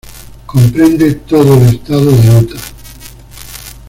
Comprende todo el estado de Utah.